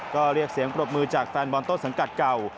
ก็เรียกเสียงปรบมือจากแฟนบอลต้นสังกัดเก่า